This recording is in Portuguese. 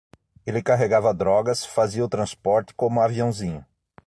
Ele carregava drogas, fazia o transporte como aviãozinho